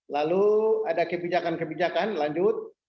lalu ada kebijakan kebijakan lanjut